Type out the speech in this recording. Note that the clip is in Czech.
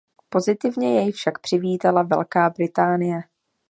Pozitivně jej však přivítala Velká Británie.